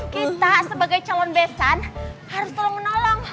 kita sebagai calon besan harus tolong menolong